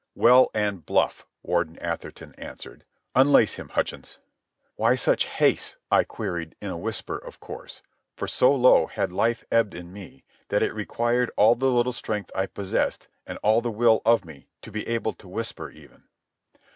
"Well and bluff," Warden Atherton answered. "Unlace him, Hutchins." "Why such haste?" I queried, in a whisper, of course, for so low had life ebbed in me that it required all the little strength I possessed and all the will of me to be able to whisper even.